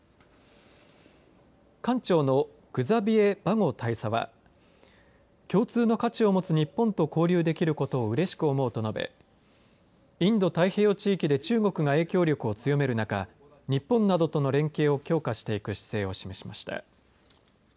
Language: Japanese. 艦長のグザヴィエ・バゴ大佐は共通の価値を持つ日本と交流できることをうれしくと思うと述べインド太平洋地域で中国が影響力を強める中日本などとの連携を強化していく姿勢を示しました。